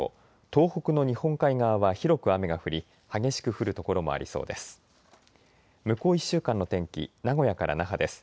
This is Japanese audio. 東北の日本海側は広く雨が降り激しく降る所もありそうです。